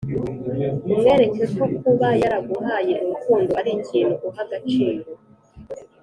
umwereke ko kuba yaraguhaye urukundo ari ikintu uha agaciro